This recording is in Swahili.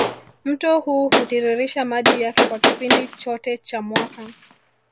Mto huu hutiririsha maji yake kwa kipindi chote cha mwaka